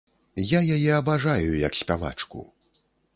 Я яе абажаю як спявачку.